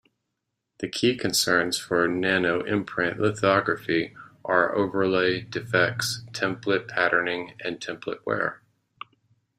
The key concerns for nanoimprint lithography are overlay, defects, template patterning and template wear.